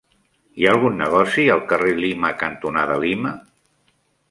Hi ha algun negoci al carrer Lima cantonada Lima?